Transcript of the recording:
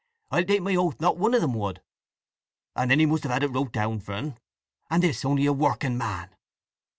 I'll take my oath not one o' 'em would! And then he must have had it wrote down for 'n. And this only a working man!"